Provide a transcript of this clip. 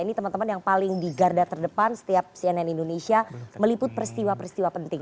ini teman teman yang paling di garda terdepan setiap cnn indonesia meliput peristiwa peristiwa penting